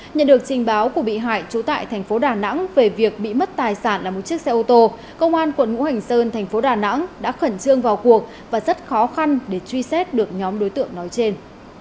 nhận được trình báo của bị hại trú tại thành phố đà nẵng về việc bị mất tài sản là một chiếc xe ô tô công an quận ngũ hành sơn thành phố đà nẵng đã khẩn trương vào cuộc và rất khó khăn để truy xét được nhóm đối tượng nói trên